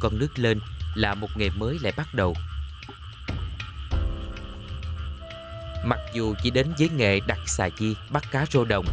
con nước lên là một ngày mới lại bắt đầu mặc dù chỉ đến với nghệ đặt xà chi bắt cá rô đồng